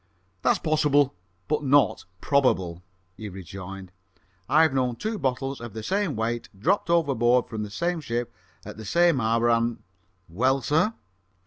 "That's possible, but not probable," he rejoined. "I've known two bottles of the same weight dropped overboard from the same ship at the same hour, and " "Well, sir?"